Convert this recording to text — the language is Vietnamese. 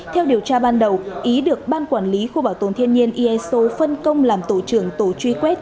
theo điều tra ban đầu ý được ban quản lý khu bảo tồn thiên nhiên eso phân công làm tổ trưởng tổ truy quét